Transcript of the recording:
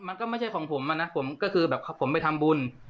มันก็ไม่ใช่ของผมอะนะผมก็คือแบบผมไปทำบุญ